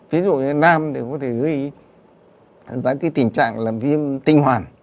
ví dụ như nam thì có thể gây ra cái tình trạng là viêm tinh hoàn